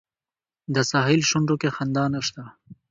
د ساحل شونډو کې خندا نشته